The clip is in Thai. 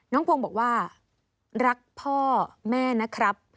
พงศ์บอกว่ารักพ่อแม่นะครับ